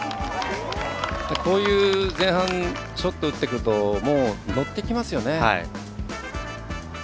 こういう前半、ショットを打ってきますと乗ってきますよね。